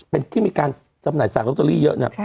เป็นที่มีการสำนักสั่งโลตเตอรี่เยอะ